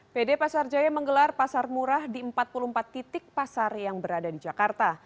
pd pasar jaya menggelar pasar murah di empat puluh empat titik pasar yang berada di jakarta